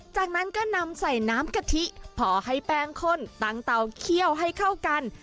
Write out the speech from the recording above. จากนั้นก็นำใส่น้ำกะทิพอให้แป้งข้นตั้งเตาเคี่ยวให้เข้ากัน